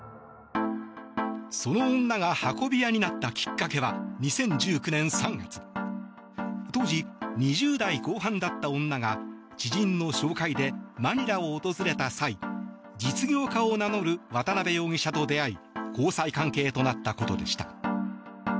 その女が運び屋になったきっかけは２０１９年３月当時、２０代後半だった女が知人の紹介でマニラを訪れた際実業家を名乗る渡邉容疑者と出会い交際関係となったことでした。